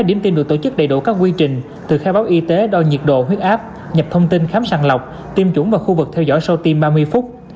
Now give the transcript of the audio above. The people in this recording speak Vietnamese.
điểm tiêm được tổ chức đầy đủ các quy trình từ khai báo y tế đo nhiệt độ huyết áp nhập thông tin khám sàng lọc tiêm chủng vào khu vực theo dõi sau tiêm ba mươi phút